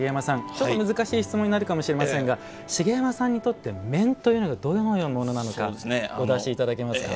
ちょっと難しい質問になるかもしれませんが茂山さんにとって面はどのようなものなのかお出しいただけますか？